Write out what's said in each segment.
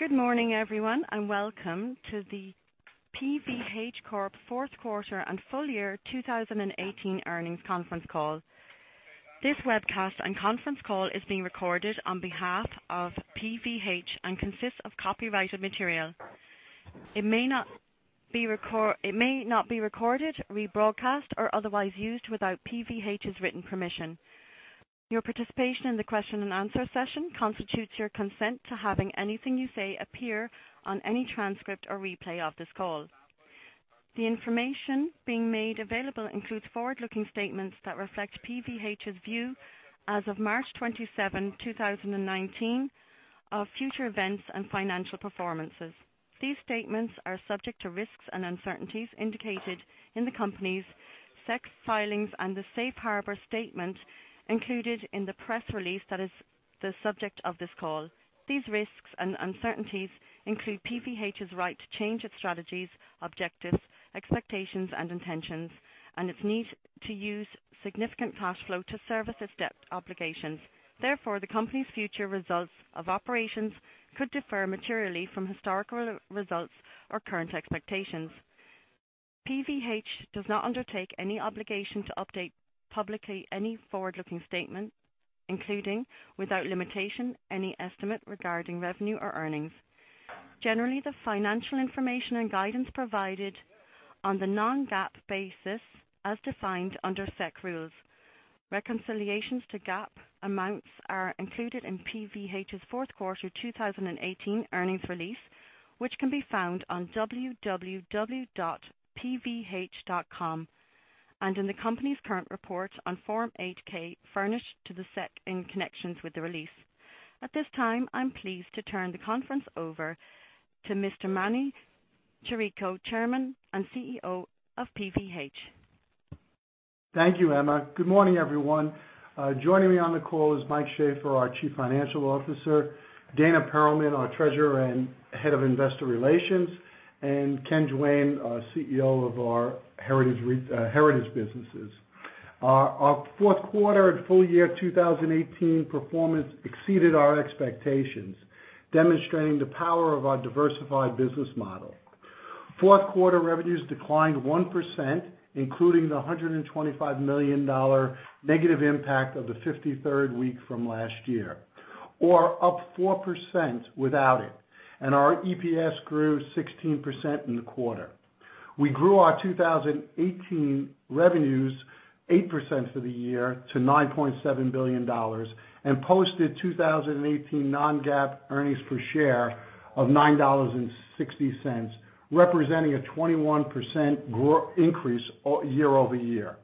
Good morning, everyone, and welcome to the PVH Corp fourth quarter and full year 2018 earnings conference call. This webcast and conference call is being recorded on behalf of PVH and consists of copyrighted material. It may not be recorded, rebroadcast, or otherwise used without PVH's written permission. Your participation in the question and answer session constitutes your consent to having anything you say appear on any transcript or replay of this call. The information being made available includes forward-looking statements that reflect PVH's view as of March 27, 2019, of future events and financial performances. These statements are subject to risks and uncertainties indicated in the company's SEC filings and the safe harbor statement included in the press release that is the subject of this call. These risks and uncertainties include PVH's right to change its strategies, objectives, expectations, and intentions, and its need to use significant cash flow to service its debt obligations. The company's future results of operations could differ materially from historical results or current expectations. PVH does not undertake any obligation to update publicly any forward-looking statement, including, without limitation, any estimate regarding revenue or earnings. Generally, the financial information and guidance provided on the non-GAAP basis, as defined under SEC rules. Reconciliations to GAAP amounts are included in PVH's fourth quarter 2018 earnings release, which can be found on www.pvh.com, and in the company's current report on Form 8-K furnished to the SEC in connection with the release. At this time, I'm pleased to turn the conference over to Mr. Manny Chirico, Chairman and CEO of PVH. Thank you, Emma. Good morning, everyone. Joining me on the call is Mike Shaffer, our Chief Financial Officer, Dana Perlman, our Treasurer and Head of Investor Relations, and Ken Duane, our CEO of our Heritage businesses. Our fourth quarter and full year 2018 performance exceeded our expectations, demonstrating the power of our diversified business model. Fourth quarter revenues declined 1%, including the $125 million negative impact of the 53rd week from last year, or up 4% without it. Our EPS grew 16% in the quarter. We grew our 2018 revenues 8% for the year to $9.7 billion and posted 2018 non-GAAP earnings per share of $9.60, representing a 21% increase year-over-year.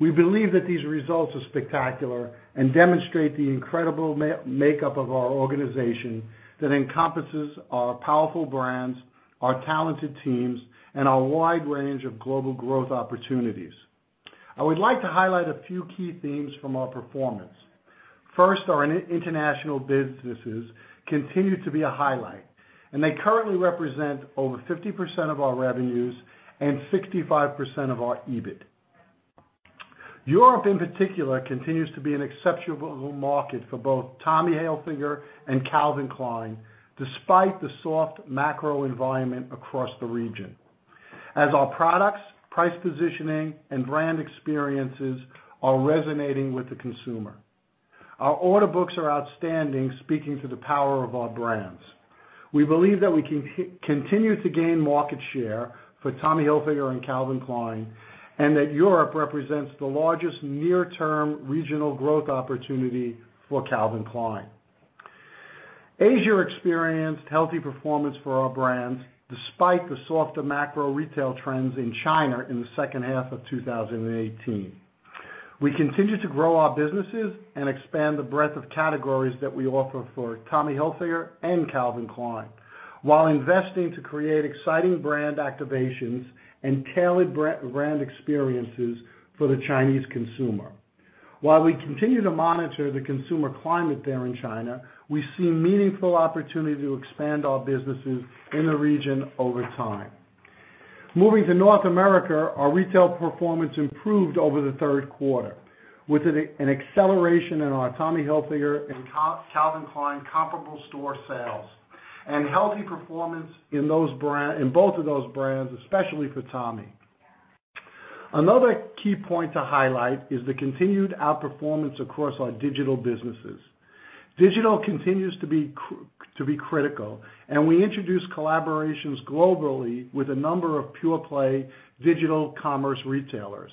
We believe that these results are spectacular and demonstrate the incredible makeup of our organization that encompasses our powerful brands, our talented teams, and our wide range of global growth opportunities. I would like to highlight a few key themes from our performance. First, our international businesses continue to be a highlight. They currently represent over 50% of our revenues and 65% of our EBIT. Europe in particular, continues to be an exceptional market for both Tommy Hilfiger and Calvin Klein, despite the soft macro environment across the region. Our products, price positioning, and brand experiences are resonating with the consumer. Our order books are outstanding, speaking to the power of our brands. We believe that we can continue to gain market share for Tommy Hilfiger and Calvin Klein. Europe represents the largest near-term regional growth opportunity for Calvin Klein. Asia experienced healthy performance for our brands, despite the softer macro retail trends in China in the second half of 2018. We continue to grow our businesses and expand the breadth of categories that we offer for Tommy Hilfiger and Calvin Klein while investing to create exciting brand activations and tailored brand experiences for the Chinese consumer. While we continue to monitor the consumer climate there in China, we see meaningful opportunity to expand our businesses in the region over time. Moving to North America, our retail performance improved over the third quarter with an acceleration in our Tommy Hilfiger and Calvin Klein comparable store sales and healthy performance in both of those brands, especially for Tommy. Digital continues to be critical, and we introduce collaborations globally with a number of pure-play digital commerce retailers.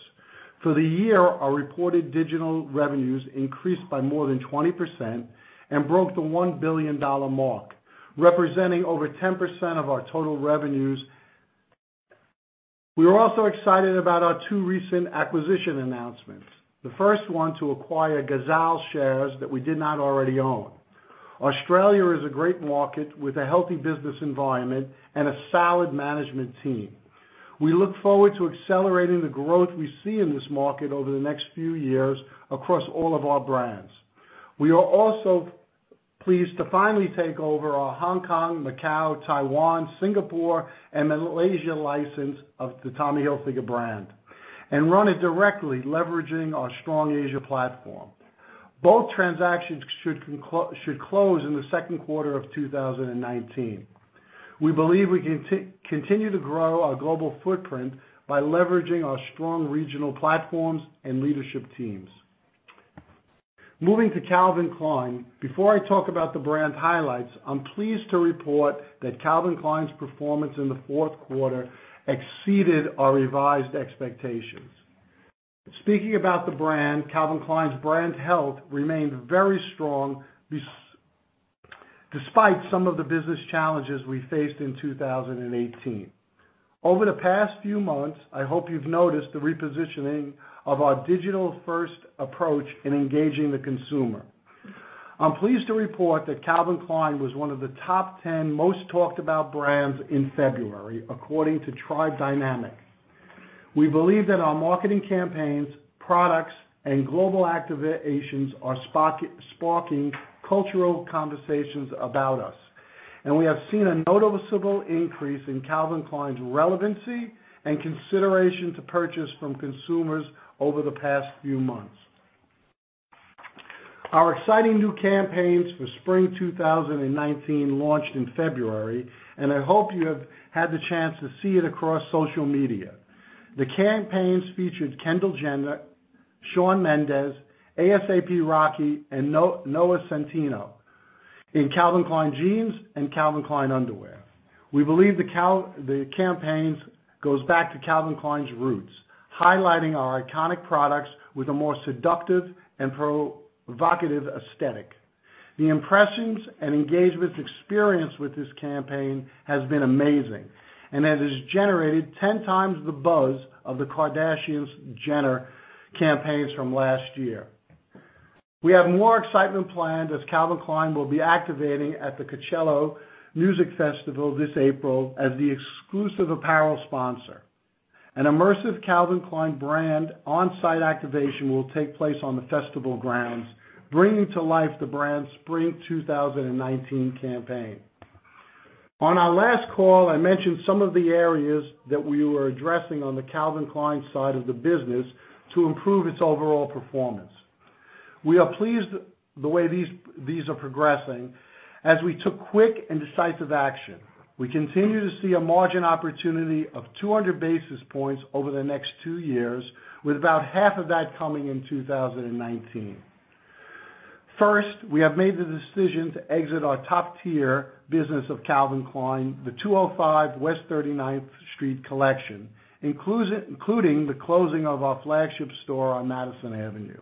For the year, our reported digital revenues increased by more than 20% and broke the $1 billion mark, representing over 10% of our total revenues. We are also excited about our two recent acquisition announcements. The first one to acquire Gazal shares that we did not already own. Australia is a great market with a healthy business environment and a solid management team. We look forward to accelerating the growth we see in this market over the next few years across all of our brands. We are also pleased to finally take over our Hong Kong, Macau, Taiwan, Singapore, and Malaysia license of the Tommy Hilfiger brand and run it directly leveraging our strong Asia platform. Both transactions should close in the second quarter of 2019. We believe we can continue to grow our global footprint by leveraging our strong regional platforms and leadership teams. Moving to Calvin Klein, before I talk about the brand highlights, I'm pleased to report that Calvin Klein's performance in the fourth quarter exceeded our revised expectations. Speaking about the brand, Calvin Klein's brand health remained very strong despite some of the business challenges we faced in 2018. Over the past few months, I hope you've noticed the repositioning of our digital-first approach in engaging the consumer. I'm pleased to report that Calvin Klein was one of the top 10 most talked about brands in February, according to Tribe Dynamics. We believe that our marketing campaigns, products, and global activations are sparking cultural conversations about us, and we have seen a noticeable increase in Calvin Klein's relevancy and consideration to purchase from consumers over the past few months. Our exciting new campaigns for spring 2019 launched in February, and I hope you have had the chance to see it across social media. The campaigns featured Kendall Jenner, Shawn Mendes, A$AP Rocky, and Noah Centineo in Calvin Klein Jeans and Calvin Klein Underwear. We believe the campaigns goes back to Calvin Klein's roots, highlighting our iconic products with a more seductive and provocative aesthetic. The impressions and engagements experience with this campaign has been amazing, and it has generated 10 times the buzz of the Kardashian-Jenner campaigns from last year. We have more excitement planned as Calvin Klein will be activating at the Coachella Music Festival this April as the exclusive apparel sponsor. An immersive Calvin Klein brand on-site activation will take place on the festival grounds, bringing to life the brand's spring 2019 campaign. On our last call, I mentioned some of the areas that we were addressing on the Calvin Klein side of the business to improve its overall performance. We are pleased the way these are progressing as we took quick and decisive action. We continue to see a margin opportunity of 200 basis points over the next two years, with about half of that coming in 2019. First, we have made the decision to exit our top-tier business of Calvin Klein, the Calvin Klein 205W39NYC collection, including the closing of our flagship store on Madison Avenue.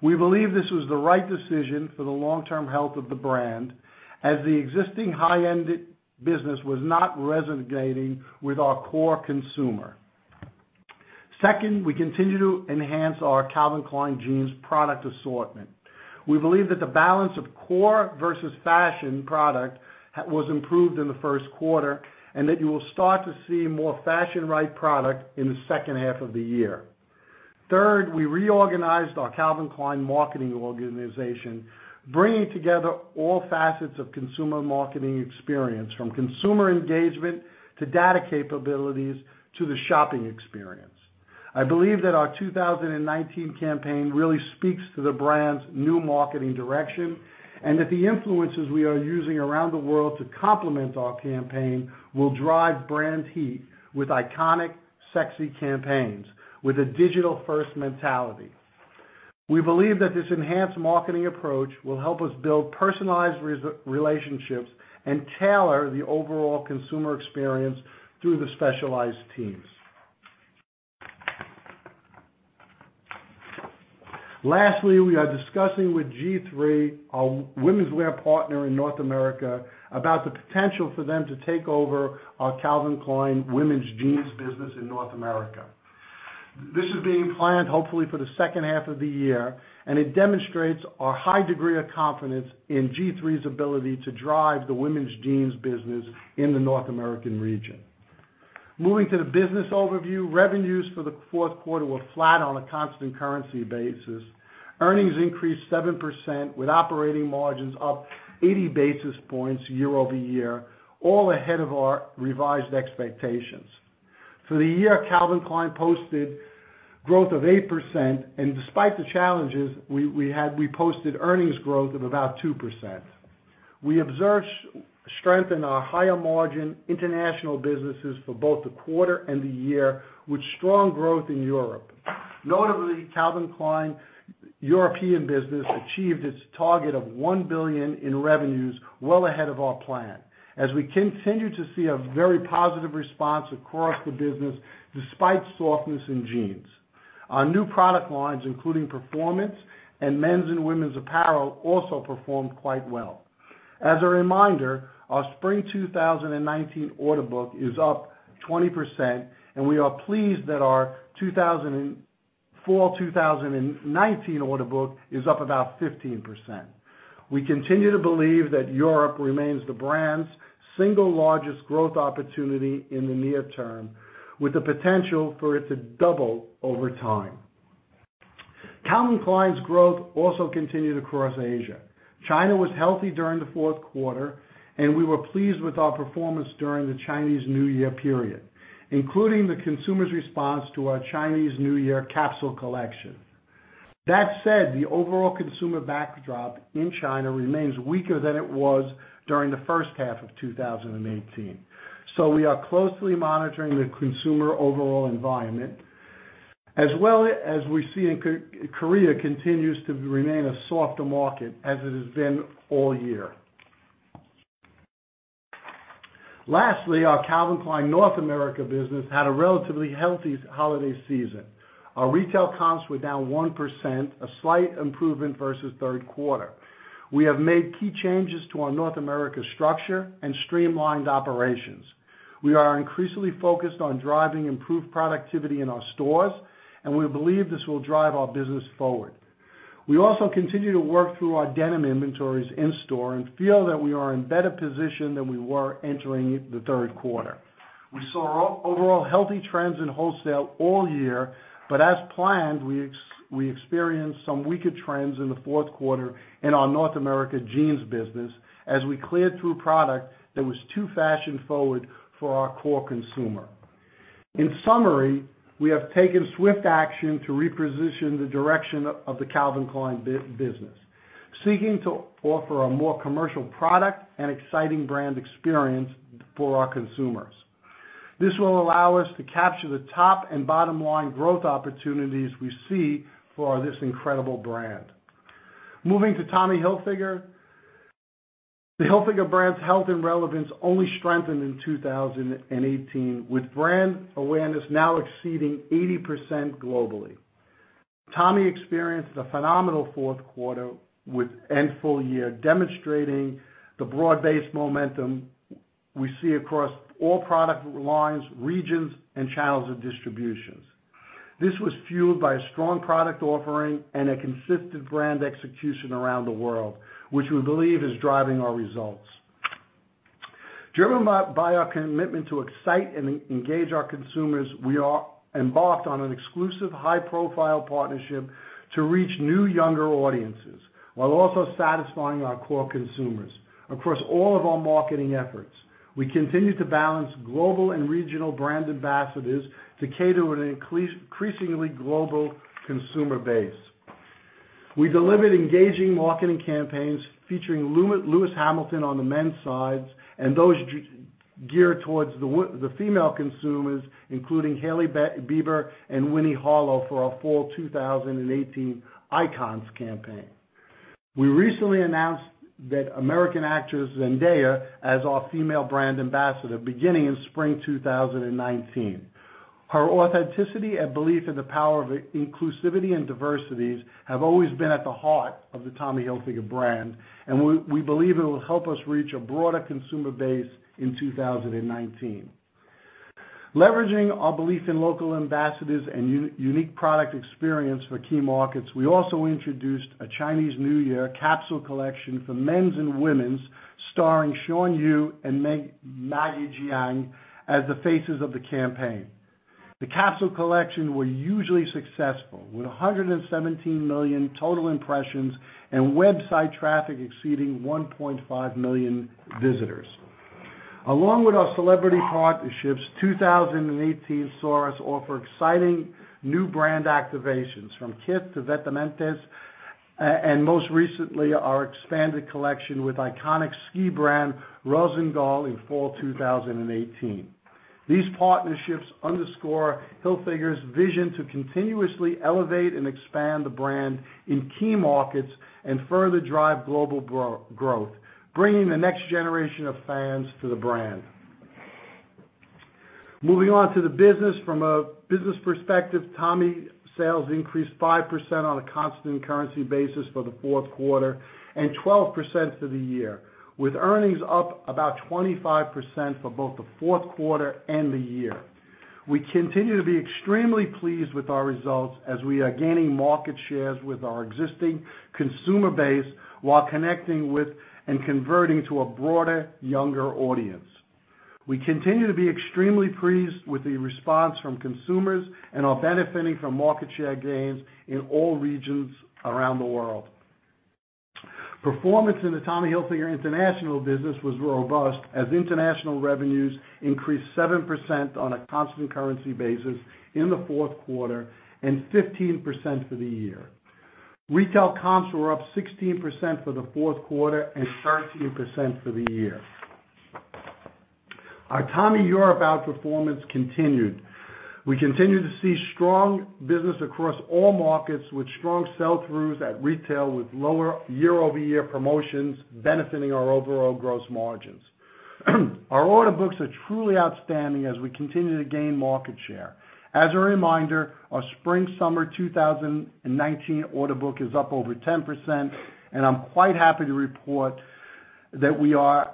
We believe this was the right decision for the long-term health of the brand, as the existing high-end business was not resonating with our core consumer. Second, we continue to enhance our Calvin Klein Jeans product assortment. We believe that the balance of core versus fashion product was improved in the first quarter, and that you will start to see more fashion-right product in the second half of the year. Third, we reorganized our Calvin Klein marketing organization, bringing together all facets of consumer marketing experience, from consumer engagement to data capabilities to the shopping experience. I believe that our 2019 campaign really speaks to the brand's new marketing direction, and that the influences we are using around the world to complement our campaign will drive brand heat with iconic, sexy campaigns, with a digital-first mentality. We believe that this enhanced marketing approach will help us build personalized relationships and tailor the overall consumer experience through the specialized teams. Lastly, we are discussing with G-III, our womenswear partner in North America, about the potential for them to take over our Calvin Klein women's jeans business in North America. This is being planned hopefully for the second half of the year. It demonstrates our high degree of confidence in G-III's ability to drive the women's jeans business in the North American region. Moving to the business overview, revenues for the fourth quarter were flat on a constant currency basis. Earnings increased 7% with operating margins up 80 basis points year-over-year, all ahead of our revised expectations. For the year, Calvin Klein posted growth of 8%, and despite the challenges we had, we posted earnings growth of about 2%. We observed strength in our higher-margin international businesses for both the quarter and the year, with strong growth in Europe. Notably, Calvin Klein European business achieved its target of $1 billion in revenues well ahead of our plan, as we continue to see a very positive response across the business despite softness in jeans. Our new product lines, including performance and men's and women's apparel, also performed quite well. As a reminder, our spring 2019 order book is up 20%. We are pleased that our fall 2019 order book is up about 15%. We continue to believe that Europe remains the brand's single largest growth opportunity in the near term, with the potential for it to double over time. Calvin Klein's growth also continued across Asia. China was healthy during the fourth quarter. We were pleased with our performance during the Chinese New Year period, including the consumer's response to our Chinese New Year capsule collection. That said, the overall consumer backdrop in China remains weaker than it was during the first half of 2018. We are closely monitoring the consumer overall environment, as well as we see Korea continues to remain a softer market as it has been all year. Lastly, our Calvin Klein North America business had a relatively healthy holiday season. Our retail comps were down 1%, a slight improvement versus third quarter. We have made key changes to our North America structure and streamlined operations. We are increasingly focused on driving improved productivity in our stores, and we believe this will drive our business forward. We also continue to work through our denim inventories in store and feel that we are in better position than we were entering the third quarter. We saw overall healthy trends in wholesale all year, but as planned, we experienced some weaker trends in the fourth quarter in our North America jeans business as we cleared through product that was too fashion-forward for our core consumer. In summary, we have taken swift action to reposition the direction of the Calvin Klein business, seeking to offer a more commercial product and exciting brand experience for our consumers. This will allow us to capture the top and bottom line growth opportunities we see for this incredible brand. Moving to Tommy Hilfiger. The Hilfiger brand's health and relevance only strengthened in 2018, with brand awareness now exceeding 80% globally. Tommy experienced a phenomenal fourth quarter and full year, demonstrating the broad-based momentum we see across all product lines, regions, and channels of distributions. This was fueled by a strong product offering and a consistent brand execution around the world, which we believe is driving our results. Driven by our commitment to excite and engage our consumers, we are embarked on an exclusive high-profile partnership to reach new younger audiences, while also satisfying our core consumers. Across all of our marketing efforts, we continue to balance global and regional brand ambassadors to cater to an increasingly global consumer base. We delivered engaging marketing campaigns featuring Lewis Hamilton on the men's sides and those geared towards the female consumers, including Hailey Bieber and Winnie Harlow for our fall 2018 Icons campaign. We recently announced that American actress Zendaya as our female brand ambassador beginning in spring 2019. Her authenticity and belief in the power of inclusivity and diversities have always been at the heart of the Tommy Hilfiger brand, and we believe it will help us reach a broader consumer base in 2019. Leveraging our belief in local ambassadors and unique product experience for key markets, we also introduced a Chinese New Year capsule collection for men's and women's starring Xuan Yu and Maggie Jiang as the faces of the campaign. The capsule collection were usually successful with 117 million total impressions and website traffic exceeding 1.5 million visitors. Along with our celebrity partnerships, 2018 saw us offer exciting new brand activations from Kith to Vetements, and most recently, our expanded collection with iconic ski brand Rossignol in fall 2018. These partnerships underscore Hilfiger's vision to continuously elevate and expand the brand in key markets and further drive global growth, bringing the next generation of fans to the brand. Moving on to the business. From a business perspective, Tommy sales increased 5% on a constant currency basis for the fourth quarter and 12% for the year, with earnings up about 25% for both the fourth quarter and the year. We continue to be extremely pleased with our results as we are gaining market shares with our existing consumer base while connecting with and converting to a broader, younger audience. We continue to be extremely pleased with the response from consumers and are benefiting from market share gains in all regions around the world. Performance in the Tommy Hilfiger international business was robust as international revenues increased 7% on a constant currency basis in the fourth quarter and 15% for the year. Retail comps were up 16% for the fourth quarter and 13% for the year. Our Tommy Europe outperformance continued. We continue to see strong business across all markets with strong sell-throughs at retail with lower year-over-year promotions benefiting our overall gross margins. Our order books are truly outstanding as we continue to gain market share. As a reminder, our spring/summer 2019 order book is up over 10%, and I'm quite happy to report that we are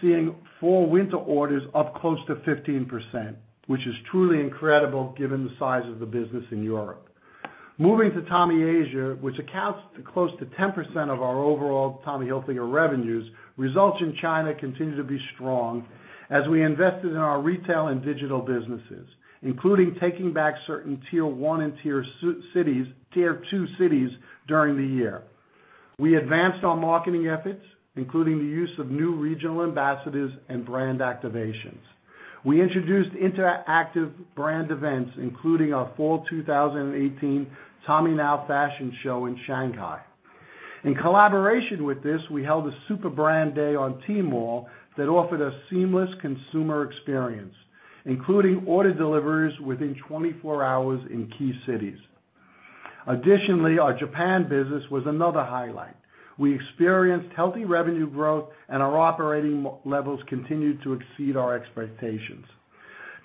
seeing fall/winter orders up close to 15%, which is truly incredible given the size of the business in Europe. Moving to Tommy Asia, which accounts to close to 10% of our overall Tommy Hilfiger revenues, results in China continue to be strong as we invested in our retail and digital businesses, including taking back certain tier 1 and tier 2 cities during the year. We advanced our marketing efforts, including the use of new regional ambassadors and brand activations. We introduced interactive brand events, including our fall 2018 TommyNow fashion show in Shanghai. In collaboration with this, we held a super brand day on Tmall that offered a seamless consumer experience, including order deliveries within 24 hours in key cities. Additionally, our Japan business was another highlight. We experienced healthy revenue growth, and our operating levels continued to exceed our expectations,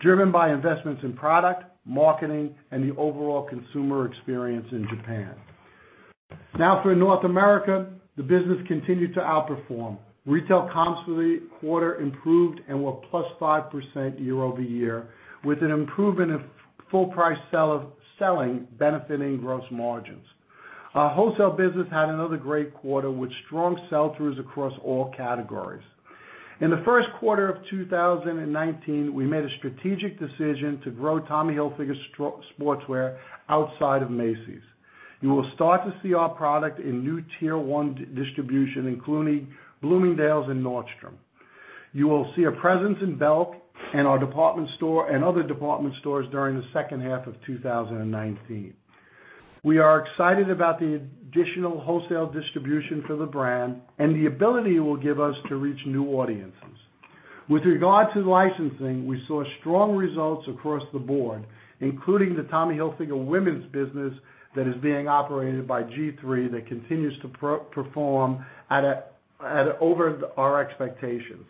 driven by investments in product, marketing, and the overall consumer experience in Japan. Now for North America, the business continued to outperform. Retail comps for the quarter improved and were plus 5% year-over-year, with an improvement of full price selling benefiting gross margins. Our wholesale business had another great quarter with strong sell-throughs across all categories. In the first quarter of 2019, we made a strategic decision to grow Tommy Hilfiger sportswear outside of Macy's. You will start to see our product in new tier 1 distribution, including Bloomingdale's and Nordstrom. You will see a presence in Belk and other department stores during the second half of 2019. We are excited about the additional wholesale distribution for the brand, and the ability it will give us to reach new audiences. With regard to licensing, we saw strong results across the board, including the Tommy Hilfiger women's business that is being operated by G-III that continues to perform over our expectations.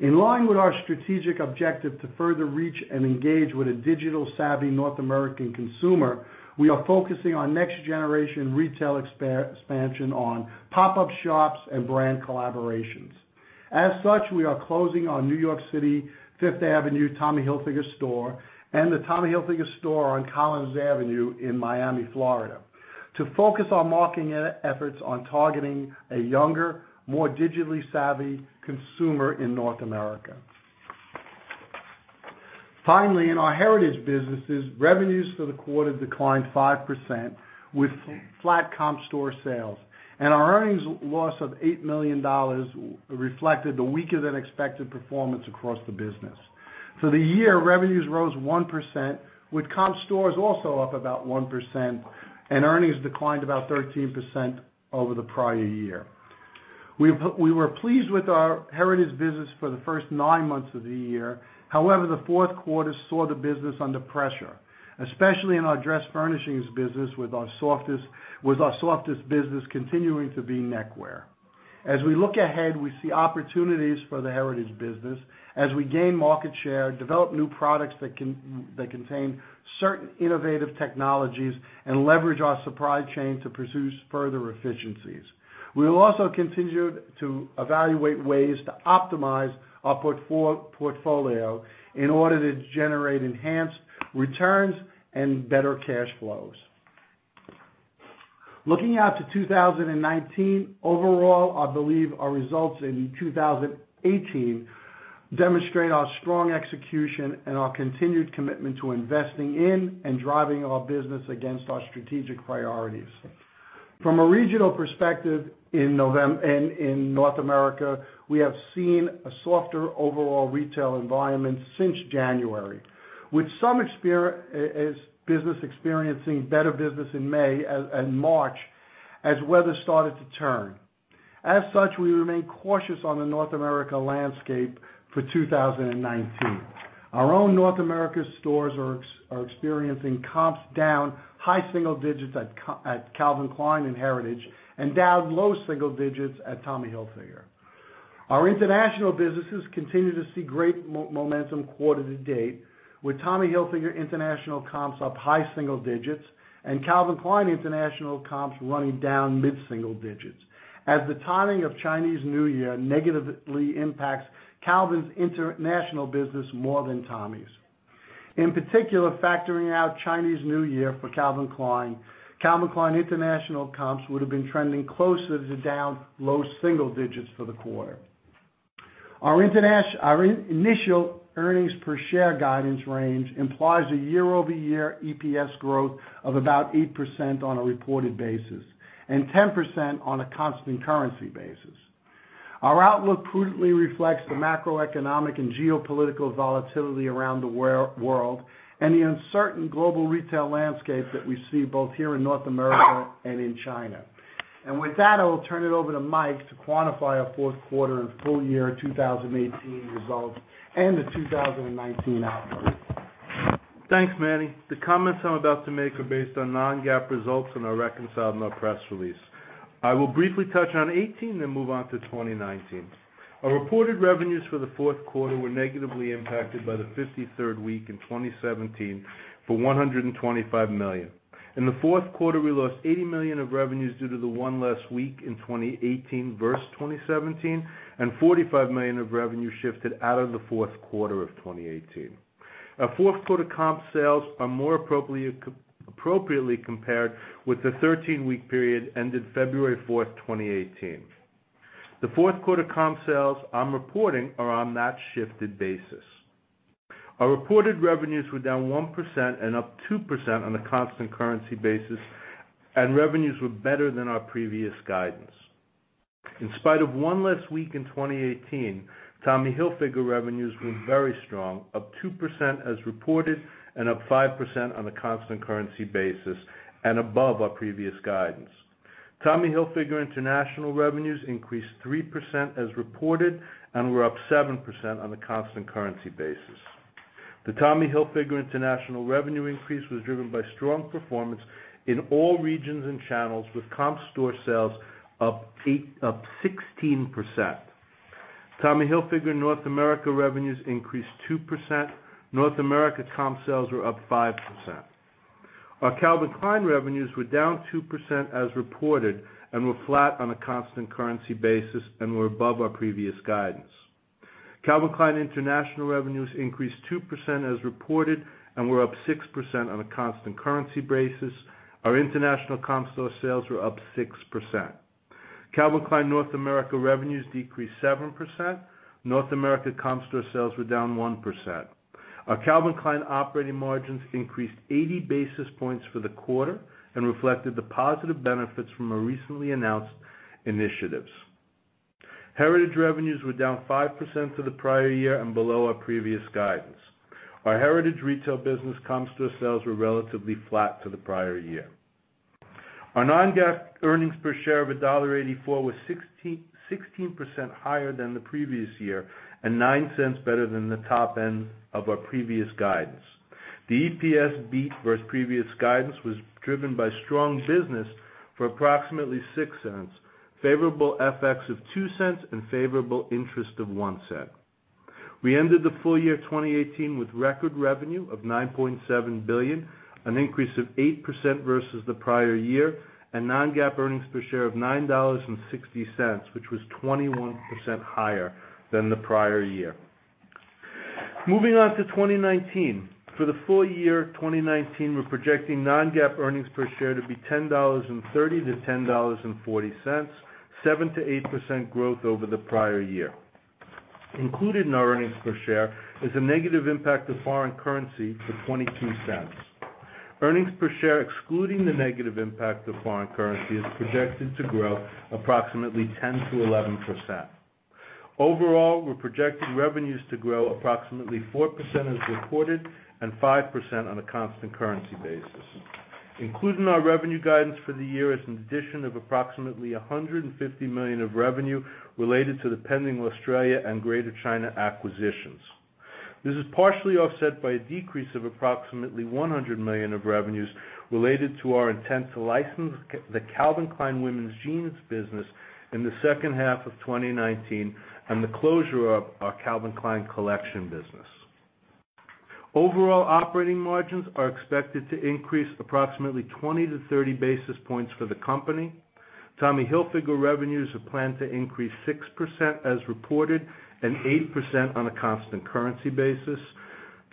In line with our strategic objective to further reach and engage with a digital-savvy North American consumer, we are focusing on next generation retail expansion on pop-up shops and brand collaborations. As such, we are closing our New York City Fifth Avenue Tommy Hilfiger store and the Tommy Hilfiger store on Collins Avenue in Miami, Florida to focus our marketing efforts on targeting a younger, more digitally savvy consumer in North America. Finally, in our Heritage businesses, revenues for the quarter declined 5% with flat comp store sales, and our earnings loss of $8 million reflected the weaker than expected performance across the business. For the year, revenues rose 1%, with comp stores also up about 1%, and earnings declined about 13% over the prior year. We were pleased with our Heritage business for the first nine months of the year. The fourth quarter saw the business under pressure, especially in our dress furnishings business with our softest business continuing to be neckwear. As we look ahead, we see opportunities for the Heritage business as we gain market share, develop new products that contain certain innovative technologies, and leverage our supply chain to pursue further efficiencies. We will also continue to evaluate ways to optimize our portfolio in order to generate enhanced returns and better cash flows. Looking out to 2019, overall, I believe our results in 2018 demonstrate our strong execution and our continued commitment to investing in and driving our business against our strategic priorities. From a regional perspective in North America, we have seen a softer overall retail environment since January, with some business experiencing better business in May and March as weather started to turn. As such, we remain cautious on the North America landscape for 2019. Our own North America stores are experiencing comps down high single digits at Calvin Klein and Heritage, and down low single digits at Tommy Hilfiger. Our international businesses continue to see great momentum quarter to date, with Tommy Hilfiger international comps up high single digits and Calvin Klein international comps running down mid-single digits, as the timing of Chinese New Year negatively impacts Calvin's international business more than Tommy's. In particular, factoring out Chinese New Year for Calvin Klein, Calvin Klein International comps would have been trending closer to down low single digits for the quarter. Our initial earnings per share guidance range implies a year-over-year EPS growth of about 8% on a reported basis and 10% on a constant currency basis. Our outlook prudently reflects the macroeconomic and geopolitical volatility around the world and the uncertain global retail landscape that we see both here in North America and in China. With that, I will turn it over to Mike to quantify our fourth quarter and full year 2018 results and the 2019 outlook. Thanks, Manny. The comments I'm about to make are based on non-GAAP results and are reconciled in our press release. I will briefly touch on 2018 then move on to 2019. Our reported revenues for the fourth quarter were negatively impacted by the 53rd week in 2017 for $125 million. In the fourth quarter, we lost $80 million of revenues due to the one less week in 2018 versus 2017, and $45 million of revenue shifted out of the fourth quarter of 2018. Our fourth quarter comp sales are more appropriately compared with the 13-week period ended February 4th, 2018. The fourth quarter comp sales I'm reporting are on that shifted basis. Our reported revenues were down 1% and up 2% on a constant currency basis, and revenues were better than our previous guidance. In spite of one less week in 2018, Tommy Hilfiger revenues were very strong, up 2% as reported and up 5% on a constant currency basis and above our previous guidance. Tommy Hilfiger international revenues increased 3% as reported and were up 7% on a constant currency basis. The Tommy Hilfiger international revenue increase was driven by strong performance in all regions and channels with comp store sales up 16%. Tommy Hilfiger North America revenues increased 2%. North America comp sales were up 5%. Our Calvin Klein revenues were down 2% as reported and were flat on a constant currency basis and were above our previous guidance. Calvin Klein international revenues increased 2% as reported and were up 6% on a constant currency basis. Our international comp store sales were up 6%. Calvin Klein North America revenues decreased 7%. North America comp store sales were down 1%. Our Calvin Klein operating margins increased 80 basis points for the quarter and reflected the positive benefits from our recently announced initiatives. Heritage revenues were down 5% to the prior year and below our previous guidance. Our Heritage retail business comp store sales were relatively flat to the prior year. Our non-GAAP earnings per share of $1.84 was 16% higher than the previous year and $0.09 better than the top end of our previous guidance. The EPS beat versus previous guidance was driven by strong business for approximately $0.06, favorable FX of $0.02, and favorable interest of $0.01. We ended the full year 2018 with record revenue of $9.7 billion, an increase of 8% versus the prior year, and non-GAAP earnings per share of $9.60, which was 21% higher than the prior year. Moving on to 2019. For the full year 2019, we're projecting non-GAAP earnings per share to be $10.30 to $10.40, 7%-8% growth over the prior year. Included in our earnings per share is a negative impact of foreign currency for $0.22. Earnings per share excluding the negative impact of foreign currency is projected to grow approximately 10%-11%. Overall, we're projecting revenues to grow approximately 4% as reported and 5% on a constant currency basis. Included in our revenue guidance for the year is an addition of approximately $150 million of revenue related to the pending Australia and Greater China acquisitions. This is partially offset by a decrease of approximately $100 million of revenues related to our intent to license the Calvin Klein women's jeans business in the second half of 2019 and the closure of our Calvin Klein collection business. Overall operating margins are expected to increase approximately 20-30 basis points for the company. Tommy Hilfiger revenues are planned to increase 6% as reported and 8% on a constant currency basis.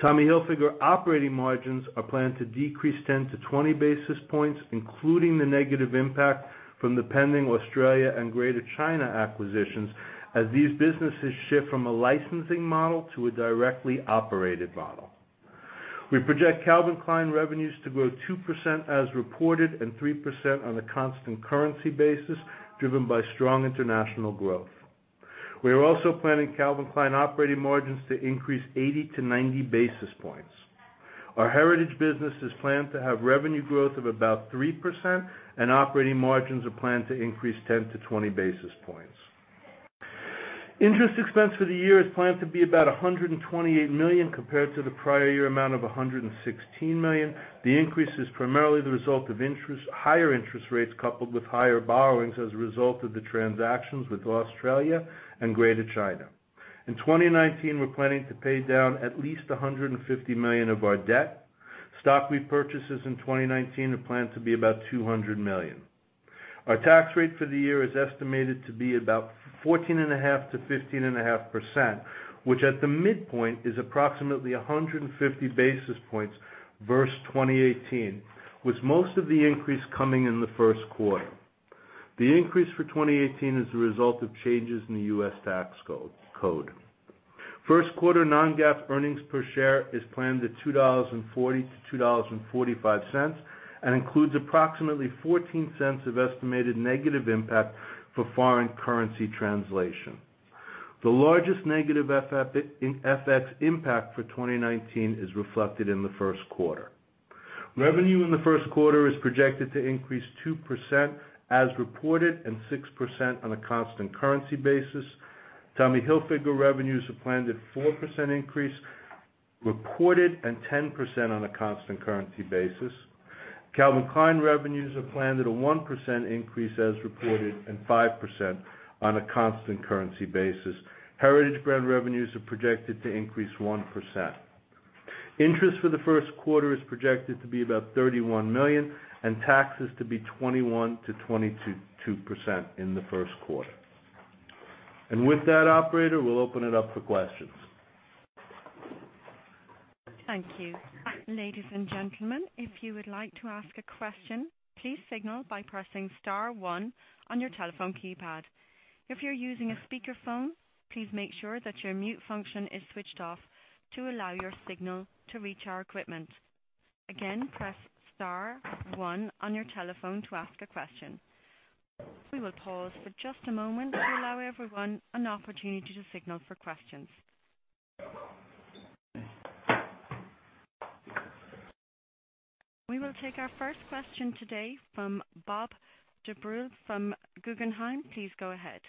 Tommy Hilfiger operating margins are planned to decrease 10-20 basis points, including the negative impact from the pending Australia and Greater China acquisitions as these businesses shift from a licensing model to a directly operated model. We project Calvin Klein revenues to grow 2% as reported and 3% on a constant currency basis, driven by strong international growth. We are also planning Calvin Klein operating margins to increase 80-90 basis points. Our Heritage business is planned to have revenue growth of about 3%, and operating margins are planned to increase 10-20 basis points. Interest expense for the year is planned to be about $128 million compared to the prior year amount of $116 million. The increase is primarily the result of higher interest rates coupled with higher borrowings as a result of the transactions with Australia and Greater China. In 2019, we're planning to pay down at least $150 million of our debt. Stock repurchases in 2019 are planned to be about $200 million. Our tax rate for the year is estimated to be about 14.5%-15.5%, which at the midpoint is approximately 150 basis points verse 2018, with most of the increase coming in the first quarter. The increase for 2018 is the result of changes in the U.S. tax code. First quarter non-GAAP earnings per share is planned at $2.40-$2.45 and includes approximately $0.14 of estimated negative impact for foreign currency translation. The largest negative FX impact for 2019 is reflected in the first quarter. Revenue in the first quarter is projected to increase 2% as reported and 6% on a constant currency basis. Tommy Hilfiger revenues are planned at 4% increase reported and 10% on a constant currency basis. Calvin Klein revenues are planned at a 1% increase as reported and 5% on a constant currency basis. Heritage Brand revenues are projected to increase 1%. Interest for the first quarter is projected to be about $31 million, and taxes to be 21%-22% in the first quarter. With that operator, we'll open it up for questions. Thank you. Ladies and gentlemen, if you would like to ask a question, please signal by pressing star one on your telephone keypad. If you're using a speakerphone, please make sure that your mute function is switched off to allow your signal to reach our equipment. Again, press star one on your telephone to ask a question. We will pause for just a moment to allow everyone an opportunity to signal for questions. We will take our first question today from Bob Drbul from Guggenheim. Please go ahead.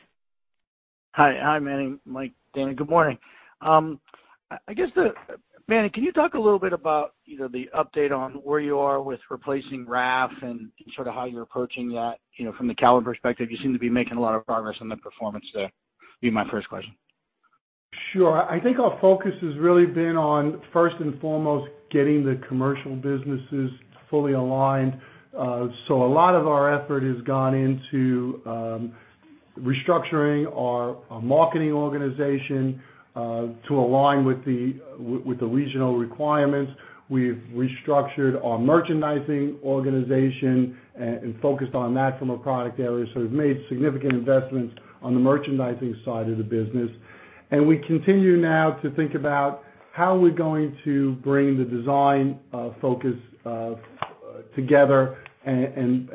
Hi, Manny, Mike, Dana. Good morning. Manny, can you talk a little bit about the update on where you are with replacing Raf and how you're approaching that from the Calvin perspective? You seem to be making a lot of progress on the performance there. Be my first question. Sure. I think our focus has really been on, first and foremost, getting the commercial businesses fully aligned. A lot of our effort has gone into restructuring our marketing organization, to align with the regional requirements. We've restructured our merchandising organization and focused on that from a product area. We've made significant investments on the merchandising side of the business, and we continue now to think about how we're going to bring the design focus together and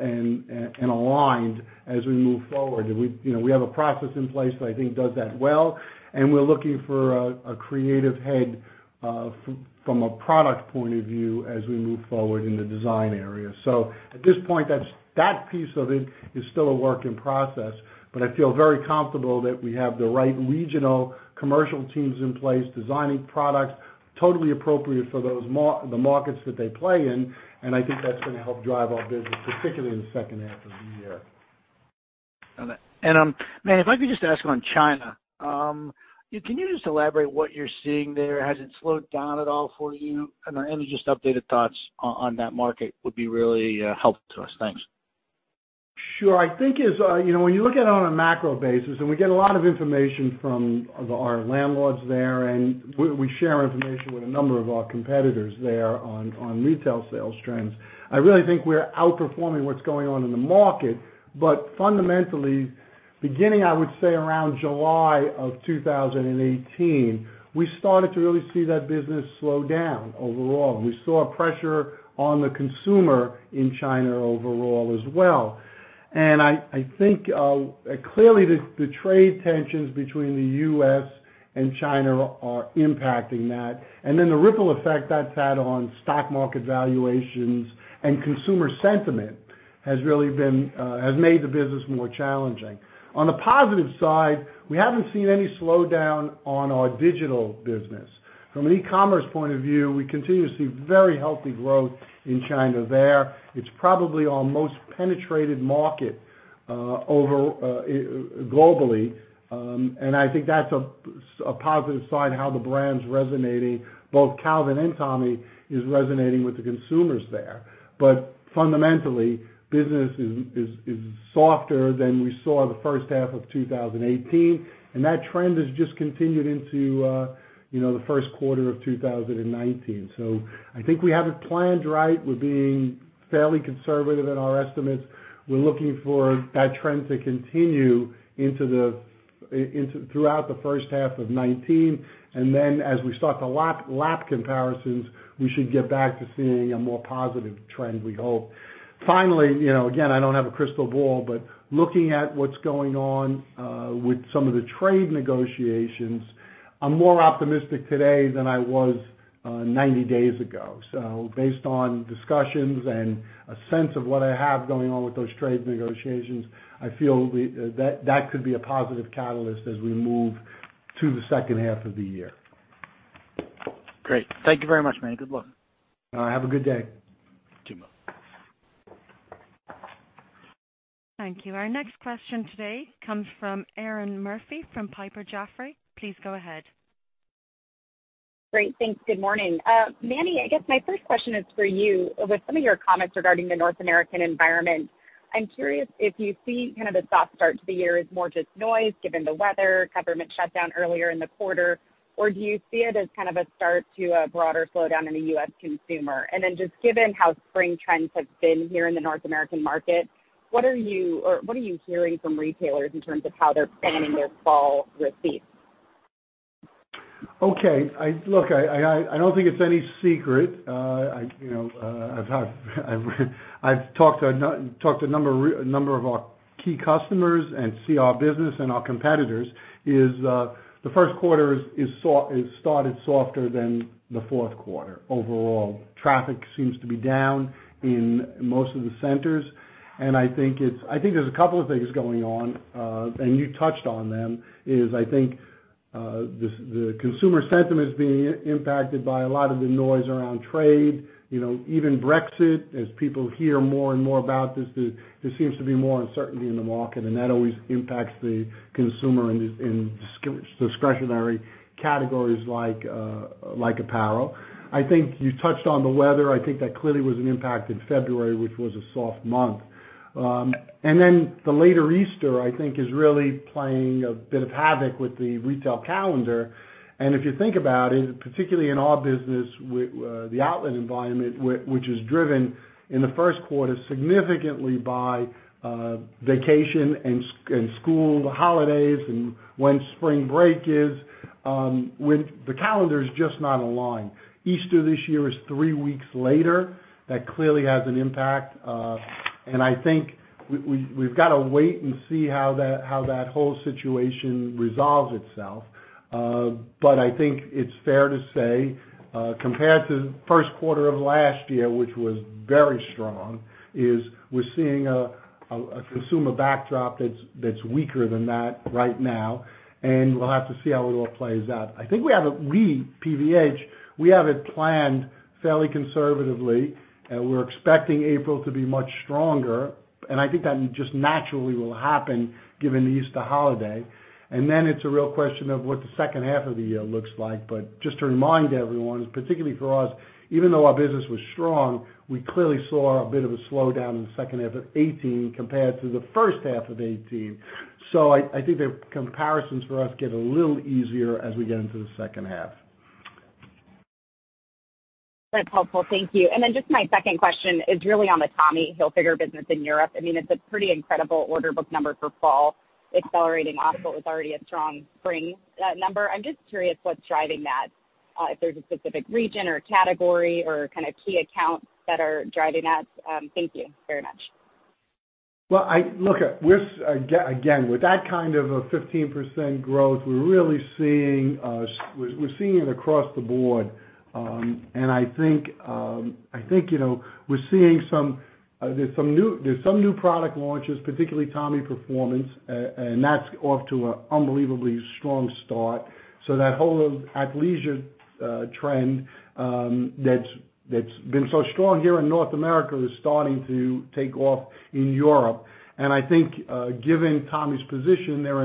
aligned as we move forward. We have a process in place that I think does that well, and we're looking for a creative head from a product point of view as we move forward in the design area. At this point, that piece of it is still a work in process, but I feel very comfortable that we have the right regional commercial teams in place, designing products totally appropriate for the markets that they play in. I think that's going to help drive our business, particularly in the second half of the year. Manny, if I could just ask on China. Can you just elaborate what you're seeing there? Has it slowed down at all for you? Any just updated thoughts on that market would be really helpful to us. Thanks. Sure. When you look at it on a macro basis, we get a lot of information from our landlords there, and we share information with a number of our competitors there on retail sales trends. I really think we're outperforming what's going on in the market. Fundamentally, beginning, I would say, around July of 2018, we started to really see that business slow down overall. We saw pressure on the consumer in China overall as well. I think, clearly, the trade tensions between the U.S. and China are impacting that. The ripple effect that's had on stock market valuations and consumer sentiment has made the business more challenging. On the positive side, we haven't seen any slowdown on our digital business. From an e-commerce point of view, we continue to see very healthy growth in China there. It's probably our most penetrated market globally. I think that's a positive side, how the brand's resonating, both Calvin and Tommy, is resonating with the consumers there. Fundamentally, business is softer than we saw the first half of 2018, and that trend has just continued into the first quarter of 2019. I think we have it planned right. We're being fairly conservative in our estimates. We're looking for that trend to continue throughout the first half of 2019. As we start the lap comparisons, we should get back to seeing a more positive trend, we hope. Finally, again, I don't have a crystal ball, but looking at what's going on with some of the trade negotiations, I'm more optimistic today than I was 90 days ago. Based on discussions and a sense of what I have going on with those trade negotiations, I feel that that could be a positive catalyst as we move to the second half of the year. Great. Thank you very much, Manny. Good luck. Have a good day. Thank you. Thank you. Our next question today comes from Erinn Murphy from Piper Jaffray. Please go ahead. Great. Thanks. Good morning. Manny, I guess my first question is for you. With some of your comments regarding the North American environment, I'm curious if you see the soft start to the year as more just noise given the weather, government shutdown earlier in the quarter, or do you see it as a start to a broader slowdown in the U.S. consumer? Then just given how spring trends have been here in the North American market, what are you hearing from retailers in terms of how they're planning their fall receipts? Okay. Look, I don't think it's any secret. I've talked to a number of our key customers and see our business and our competitors is. The first quarter has started softer than the fourth quarter overall. Traffic seems to be down in most of the centers. I think there's a couple of things going on. You touched on them. I think the consumer sentiment is being impacted by a lot of the noise around trade, even Brexit. As people hear more and more about this, there seems to be more uncertainty in the market. That always impacts the consumer in discretionary categories like apparel. I think you touched on the weather. I think that clearly was an impact in February, which was a soft month. The later Easter, I think, is really playing a bit of havoc with the retail calendar. If you think about it, particularly in our business with the outlet environment, which is driven in the first quarter significantly by vacation and school holidays and when spring break is, the calendar's just not aligned. Easter this year is three weeks later. That clearly has an impact. I think we've got to wait and see how that whole situation resolves itself. I think it's fair to say, compared to the first quarter of last year, which was very strong, is we're seeing a consumer backdrop that's weaker than that right now, we'll have to see how it all plays out. I think we, PVH, we have it planned fairly conservatively. We're expecting April to be much stronger. I think that just naturally will happen given the Easter holiday. It's a real question of what the second half of the year looks like. Just to remind everyone, particularly for us, even though our business was strong, we clearly saw a bit of a slowdown in the second half of 2018 compared to the first half of 2018. I think the comparisons for us get a little easier as we get into the second half. That's helpful. Thank you. Just my second question is really on the Tommy Hilfiger business in Europe. I mean, it's a pretty incredible order book number for fall, accelerating off what was already a strong spring number. I'm just curious what's driving that, if there's a specific region or category or key accounts that are driving that. Thank you very much. Well, look, again, with that kind of a 15% growth, we're really seeing it across the board. I think there's some new product launches, particularly Tommy Sport, and that's off to an unbelievably strong start. That whole athleisure trend that's been so strong here in North America is starting to take off in Europe. I think, given Tommy's position, they're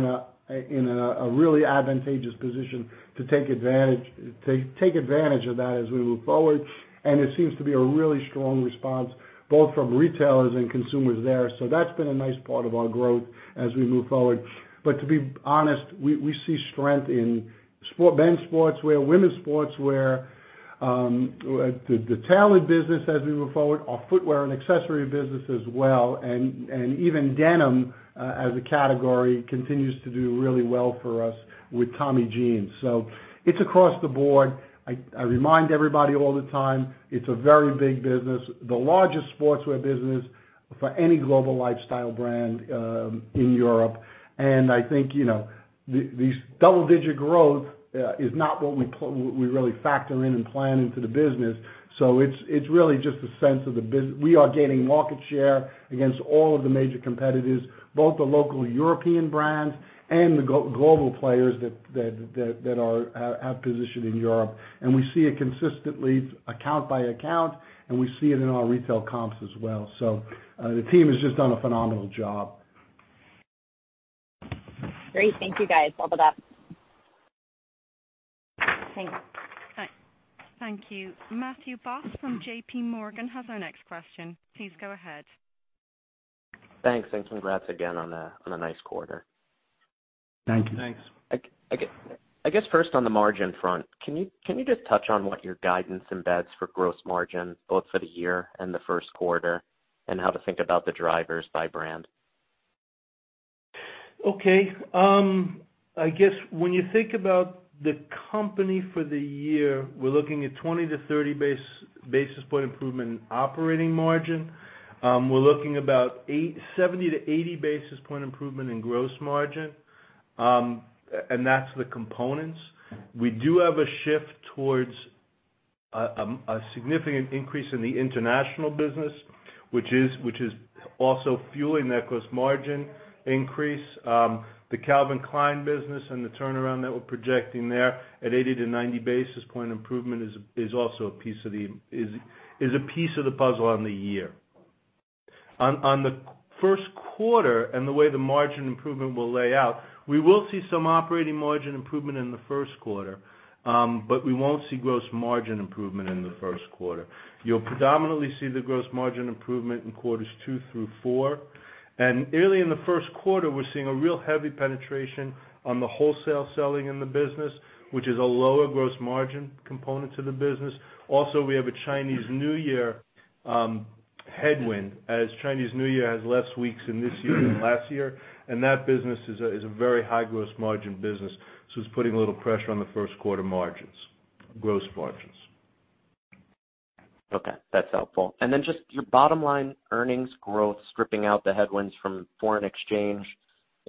in a really advantageous position to take advantage of that as we move forward. It seems to be a really strong response, both from retailers and consumers there. That's been a nice part of our growth as we move forward. To be honest, we see strength in men's sportswear, women's sportswear, the tailored business as we move forward, our footwear and accessory business as well, and even denim, as a category, continues to do really well for us with Tommy Jeans. It's across the board. I remind everybody all the time, it's a very big business, the largest sportswear business for any global lifestyle brand in Europe. I think these double-digit growth is not what we really factor in and plan into the business. It's really just a sense of we are gaining market share against all of the major competitors, both the local European brands and the global players that have position in Europe. We see it consistently account by account, and we see it in our retail comps as well. The team has just done a phenomenal job. Great. Thank you, guys. All the best. Thank you. Matthew Boss from JPMorgan has our next question. Please go ahead. Thanks, congrats again on a nice quarter. Thank you. Thanks. I guess first on the margin front, can you just touch on what your guidance embeds for gross margin, both for the year and the first quarter, and how to think about the drivers by brand? Okay. I guess when you think about the company for the year, we're looking at 20-30 basis point improvement in operating margin. We're looking about 70-80 basis point improvement in gross margin. That's the components. We do have a shift towards a significant increase in the international business, which is also fueling that gross margin increase. The Calvin Klein business and the turnaround that we're projecting there at 80-90 basis point improvement is a piece of the puzzle on the year. On the first quarter and the way the margin improvement will lay out, we will see some operating margin improvement in the first quarter, but we won't see gross margin improvement in the first quarter. You'll predominantly see the gross margin improvement in quarters two through four. Early in the first quarter, we're seeing a real heavy penetration on the wholesale selling in the business, which is a lower gross margin component to the business. Also, we have a Chinese New Year headwind as Chinese New Year has less weeks in this year than last year, and that business is a very high gross margin business, so it's putting a little pressure on the first quarter margins, gross margins. Okay, that's helpful. Just your bottom line earnings growth, stripping out the headwinds from foreign exchange,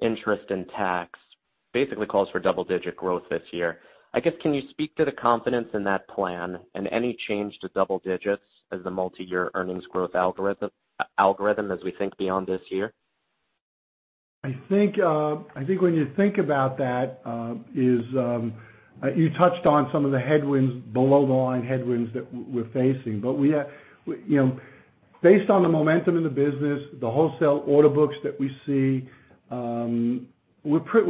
interest, and tax, basically calls for double-digit growth this year. I guess, can you speak to the confidence in that plan and any change to double digits as the multi-year earnings growth algorithm as we think beyond this year? I think when you think about that, you touched on some of the below the line headwinds that we're facing. Based on the momentum in the business, the wholesale order books that we see, we're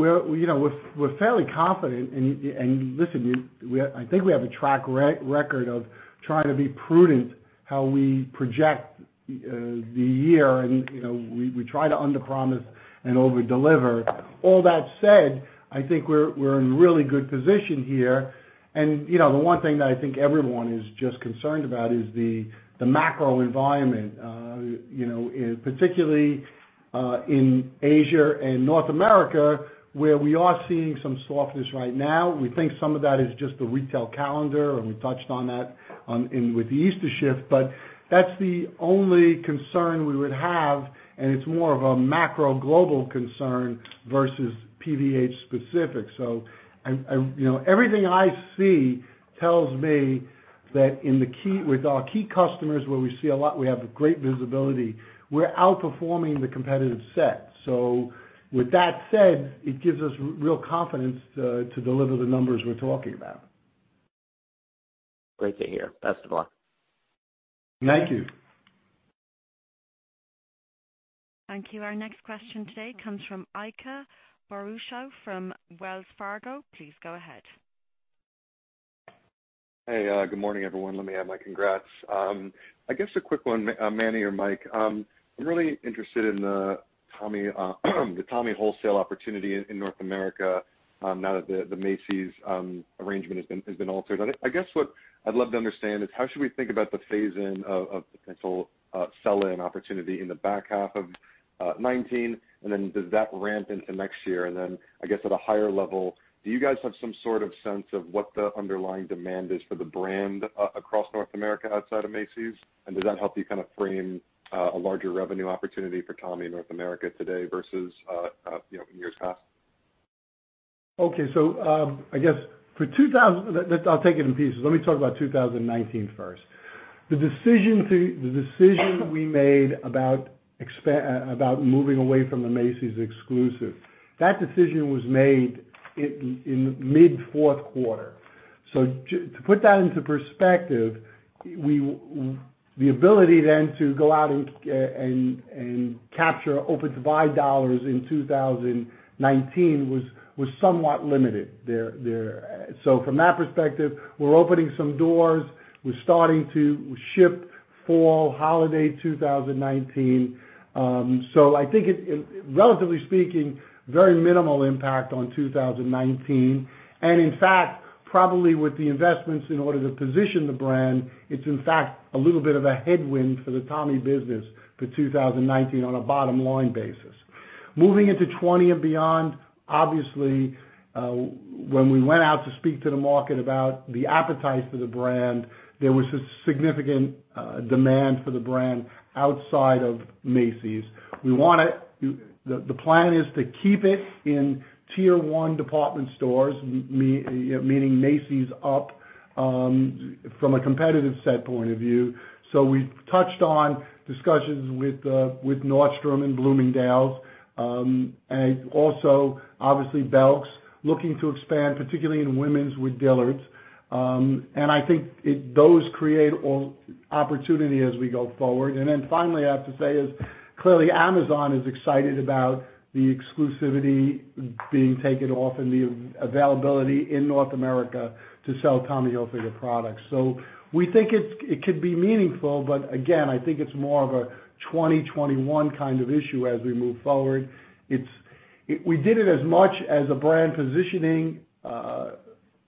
fairly confident. Listen, I think we have a track record of trying to be prudent how we project the year, and we try to underpromise and overdeliver. All that said, I think we're in really good position here. The one thing that I think everyone is just concerned about is the macro environment, particularly in Asia and North America, where we are seeing some softness right now. We think some of that is just the retail calendar, and we touched on that with the Easter shift. That's the only concern we would have, and it's more of a macro global concern versus PVH specific. Everything I see tells me that with our key customers, where we see a lot, we have great visibility. We're outperforming the competitive set. With that said, it gives us real confidence to deliver the numbers we're talking about. Great to hear. Best of luck. Thank you. Thank you. Our next question today comes from Ike Boruchow from Wells Fargo. Please go ahead. Hey, good morning, everyone. Let me add my congrats. I guess a quick one, Manny or Mike. I'm really interested in the Tommy wholesale opportunity in North America now that the Macy's arrangement has been altered. I guess what I'd love to understand is how should we think about the phase-in of potential sell-in opportunity in the back half of 2019, and then does that ramp into next year? I guess at a higher level, do you guys have some sort of sense of what the underlying demand is for the brand across North America outside of Macy's? Does that help you kind of frame a larger revenue opportunity for Tommy in North America today versus in years past? I'll take it in pieces. Let me talk about 2019 first. The decision we made about moving away from the Macy's exclusive. That decision was made in mid fourth quarter. To put that into perspective, the ability then to go out and capture open buy dollars in 2019 was somewhat limited there. From that perspective, we're opening some doors. We're starting to ship fall holiday 2019. I think it, relatively speaking, very minimal impact on 2019. In fact, probably with the investments in order to position the brand, it's in fact a little bit of a headwind for the Tommy business for 2019 on a bottom line basis. Moving into 2020 and beyond, obviously, when we went out to speak to the market about the appetite for the brand, there was a significant demand for the brand outside of Macy's. The plan is to keep it in tier 1 department stores, meaning Macy's up, from a competitive set point of view. We've touched on discussions with Nordstrom and Bloomingdale's. Also, obviously Belk. Looking to expand, particularly in women's with Dillard's. I think those create opportunity as we go forward. Then finally, I have to say is, clearly Amazon is excited about the exclusivity being taken off and the availability in North America to sell Tommy Hilfiger products. We think it could be meaningful, but again, I think it's more of a 2021 kind of issue as we move forward. We did it as much as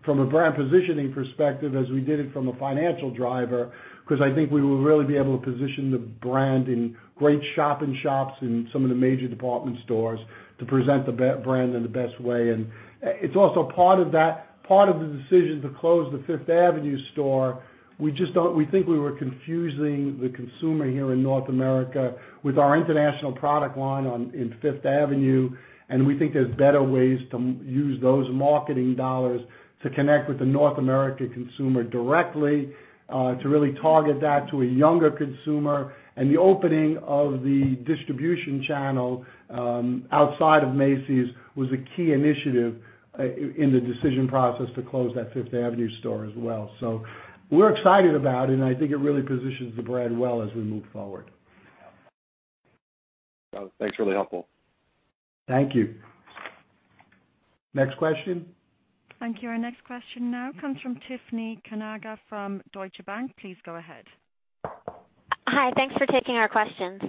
from a brand positioning perspective as we did it from a financial driver, because I think we will really be able to position the brand in great shop-in-shops in some of the major department stores to present the brand in the best way. It's also part of the decision to close the Fifth Avenue store. We think we were confusing the consumer here in North America with our international product line in Fifth Avenue, and we think there's better ways to use those marketing dollars to connect with the North America consumer directly, to really target that to a younger consumer. The opening of the distribution channel outside of Macy's was a key initiative in the decision process to close that Fifth Avenue store as well. We're excited about it, I think it really positions the brand well as we move forward. Thanks. Really helpful. Thank you. Next question. Thank you. Our next question now comes from Tiffany Kanaga from Deutsche Bank. Please go ahead. Hi. Thanks for taking our questions.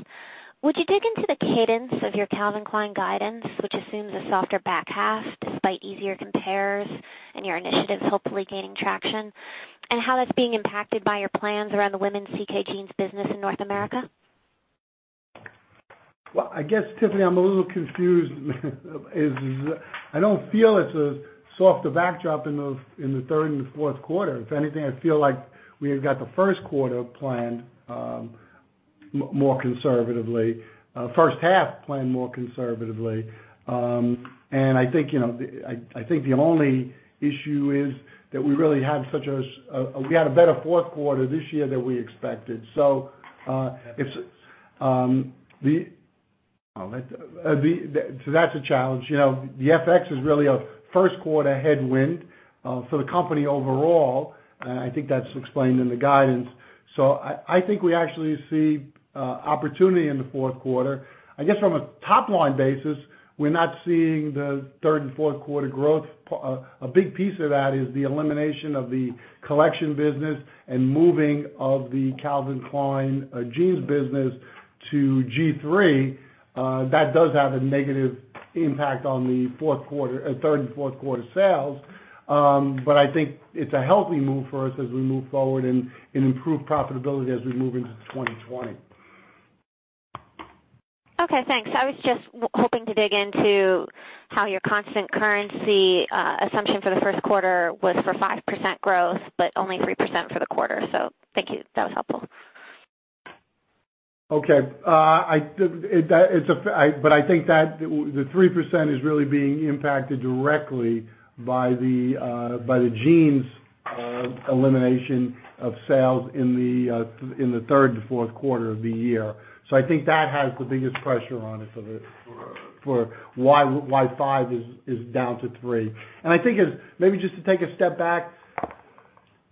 Would you dig into the cadence of your Calvin Klein guidance, which assumes a softer back half despite easier compares and your initiatives hopefully gaining traction, and how that's being impacted by your plans around the women's CK Jeans business in North America? Tiffany, I'm a little confused as I don't feel it's a softer backdrop in the third and the fourth quarter. If anything, I feel like we have got the first half planned more conservatively. I think the only issue is that we had a better fourth quarter this year than we expected. That's a challenge. The FX is really a first quarter headwind for the company overall, I think that's explained in the guidance. I think we actually see opportunity in the fourth quarter. I guess from a top-line basis, we're not seeing the third and fourth quarter growth. A big piece of that is the elimination of the collection business and moving of the Calvin Klein Jeans business to G-III. That does have a negative impact on the third and fourth quarter sales. I think it's a healthy move for us as we move forward and improve profitability as we move into 2020. Okay, thanks. I was just hoping to dig into how your constant currency assumption for the first quarter was for 5% growth, but only 3% for the quarter. Thank you. That was helpful. Okay. I think that the 3% is really being impacted directly by the jeans elimination of sales in the third and fourth quarter of the year. I think that has the biggest pressure on it for why 5 is down to 3. I think maybe just to take a step back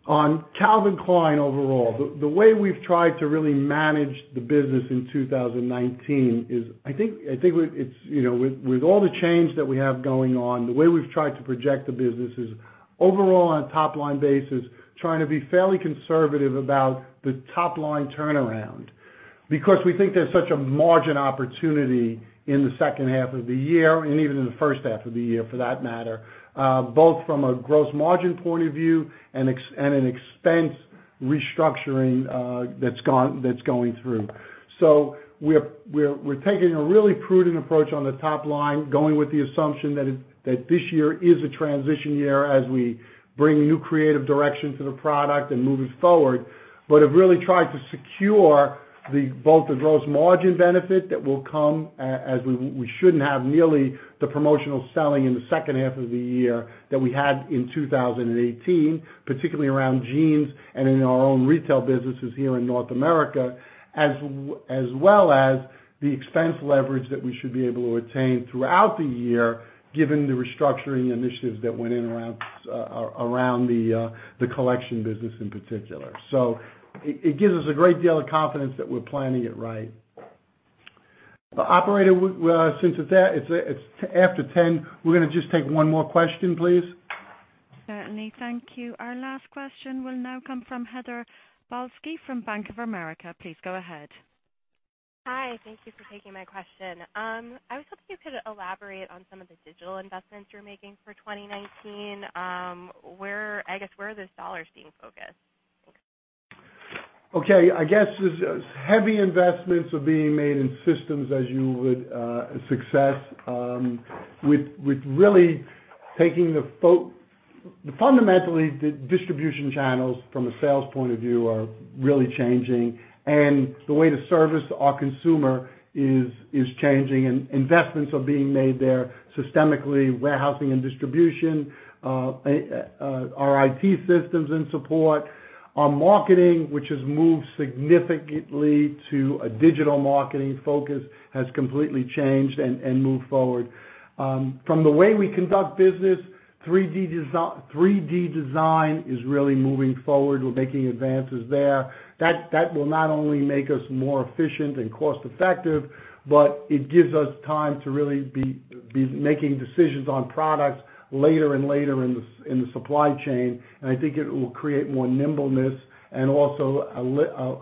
on Calvin Klein overall, the way we've tried to really manage the business in 2019 is, I think with all the change that we have going on, the way we've tried to project the business is overall on a top-line basis, trying to be fairly conservative about the top-line turnaround. Because we think there's such a margin opportunity in the second half of the year and even in the first half of the year, for that matter, both from a gross margin point of view and an expense restructuring that's going through. We're taking a really prudent approach on the top line, going with the assumption that this year is a transition year as we bring new creative direction to the product and move it forward. Have really tried to secure both the gross margin benefit that will come as we shouldn't have nearly the promotional selling in the second half of the year that we had in 2018, particularly around jeans and in our own retail businesses here in North America, as well as the expense leverage that we should be able to attain throughout the year, given the restructuring initiatives that went in around the collection business in particular. It gives us a great deal of confidence that we're planning it right. Operator, since it's after 10:00, we're going to just take one more question, please. Certainly. Thank you. Our last question will now come from Heather Balsky from Bank of America. Please go ahead. Hi. Thank you for taking my question. I was hoping you could elaborate on some of the digital investments you're making for 2019. I guess, where are those dollars being focused? I guess heavy investments are being made in systems, as you would success, with really taking fundamentally, the distribution channels from a sales point of view are really changing, and the way to service our consumer is changing, and investments are being made there systemically, warehousing and distribution, our IT systems and support. Our marketing, which has moved significantly to a digital marketing focus, has completely changed and moved forward. From the way we conduct business, 3D design is really moving forward. We're making advances there. That will not only make us more efficient and cost-effective, but it gives us time to really be making decisions on products later and later in the supply chain. I think it will create more nimbleness and also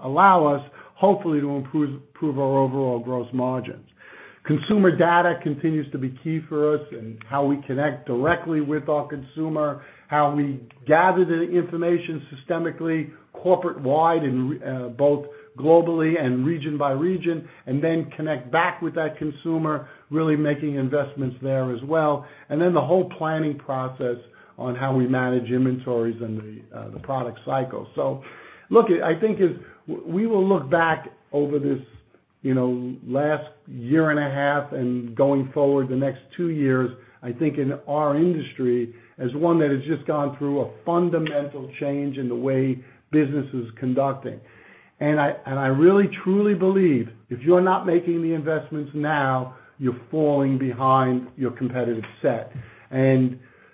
allow us, hopefully, to improve our overall gross margins. Consumer data continues to be key for us and how we connect directly with our consumer, how we gather the information systemically corporate-wide, both globally and region by region, and then connect back with that consumer, really making investments there as well. The whole planning process on how we manage inventories and the product cycle. Look, I think we will look back over this last year and a half and going forward the next two years, I think in our industry as one that has just gone through a fundamental change in the way business is conducting. I really truly believe if you're not making the investments now, you're falling behind your competitive set.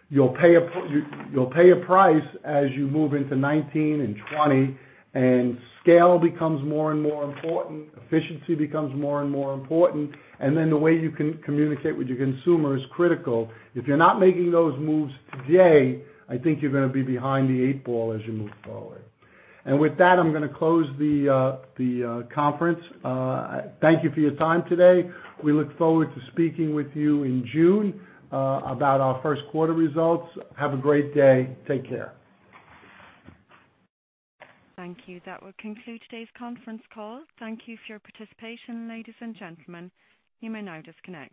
You'll pay a price as you move into 2019 and 2020, and scale becomes more and more important, efficiency becomes more and more important, and then the way you can communicate with your consumer is critical. If you're not making those moves today, I think you're going to be behind the eight ball as you move forward. With that, I'm going to close the conference. Thank you for your time today. We look forward to speaking with you in June about our first quarter results. Have a great day. Take care. Thank you. That will conclude today's conference call. Thank you for your participation, ladies and gentlemen. You may now disconnect.